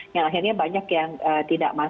yang akhirnya banyak yang tidak masuk